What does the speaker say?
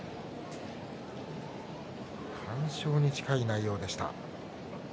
完勝に近い内容でした。